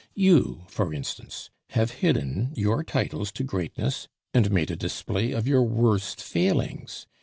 You, for instance, have hidden your titles to greatness and made a display of your worst failings.